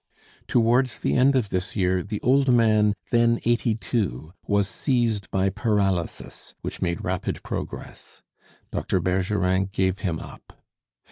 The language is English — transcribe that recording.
Towards the end of this year the old man, then eighty two, was seized by paralysis, which made rapid progress. Dr. Bergerin gave him up.